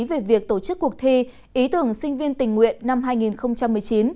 về việc tổ chức cuộc thi ý tưởng sinh viên tình nguyện năm hai nghìn một mươi chín